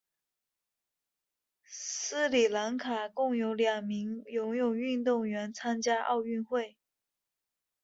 斯里兰卡共有两名游泳运动员参加奥运。